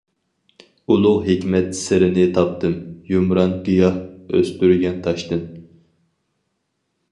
ئۇلۇغ ھېكمەت سىرىنى تاپتىم، يۇمران گىياھ ئۆستۈرگەن تاشتىن.